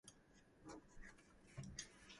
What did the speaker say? Plants with cells in this condition wilt.